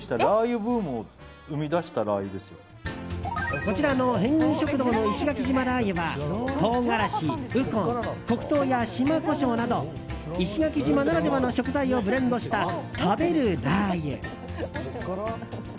こちらの辺銀食堂の石垣島ラー油は唐辛子、ウコン黒糖や島コショウなど石垣島ならではの食材をブレンドした食べるラー油。